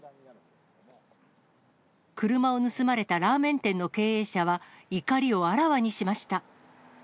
車を盗まれたラーメン店の経営者は、怒りをあらわにしました。